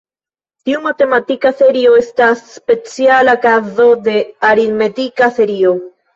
Tiu matematika serio estas speciala kazo de "aritmetika serio".